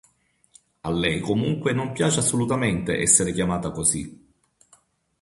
A lei comunque non piace assolutamente essere chiamata così.